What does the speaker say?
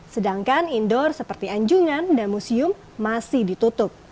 sedangkan indoor seperti anjungan dan museum masih ditutup